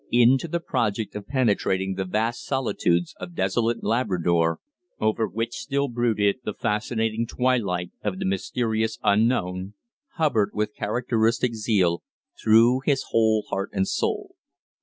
Into the project of penetrating the vast solitudes of desolate Labrador, over which still brooded the fascinating twilight of the mysterious unknown, Hubbard, with characteristic zeal, threw his whole heart and soul.